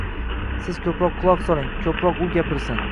Siz ko‘proq quloq soling, ko‘proq u gapirsin.